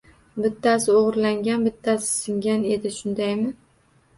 Bittasi o‘g‘irlangan, bittasi singan edi, shundaymi